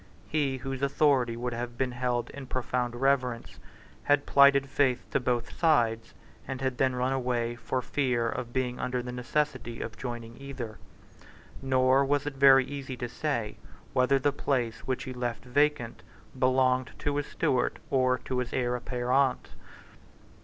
He whose authority would have been held in profound reverence, had plighted faith to both sides, and had then run away for fear of being under the necessity of joining either; nor was it very easy to say whether the place which he had left vacant belonged to his steward or to his heir apparent.